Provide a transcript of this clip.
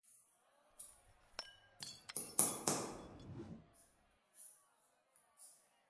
Рядами выходят юноши.